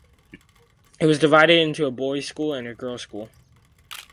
It was divided into a boys' school and a girls' school.